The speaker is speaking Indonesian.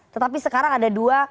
tetapi sekarang ada dua